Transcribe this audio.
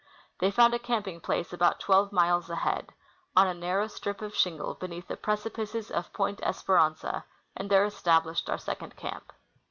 They found a camping place about twelve miles ahead, on a narrow strip of shingle beneath the precipices of Point Esperanza, and there established our second camp.